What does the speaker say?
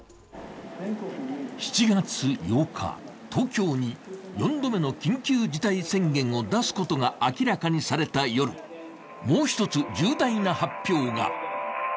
７月８日、東京に４度目の緊急事態宣言を出すことが明らかにされた夜、もう一つ重大な発表が。